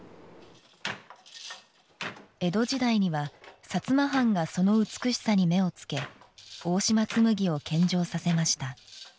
江戸時代には、薩摩藩がその美しさに目をつけ、大島紬を献上させました。